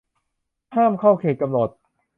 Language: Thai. ห้ามเข้าเขตกำหนด